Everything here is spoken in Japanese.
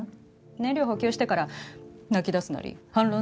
燃料補給してから泣きだすなり反論するなりしなさいよ。